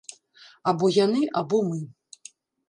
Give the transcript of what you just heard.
Або яны, або мы.